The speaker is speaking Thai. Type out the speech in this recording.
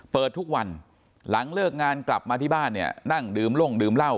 เปิดทุกวันหลังเลิกงานกลับมาที่บ้านเนี่ยนั่งดื่มลงดื่มเหล้า